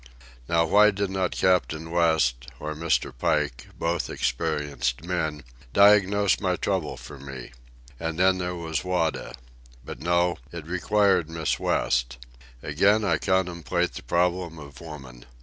Now why did not Captain West, or Mr. Pike, both experienced men, diagnose my trouble for me? And then there was Wada. But no; it required Miss West. Again I contemplate the problem of woman.